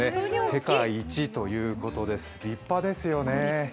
世界一ということです、立派ですよね。